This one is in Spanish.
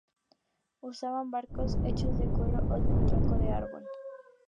Usaban barcos hechos de cuero, o de un tronco de árbol.